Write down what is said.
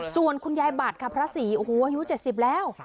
ส่วนคุณยายบัตรค่ะพระศรีโอ้โหอายุ๗๐แล้ว